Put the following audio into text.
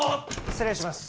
失礼します。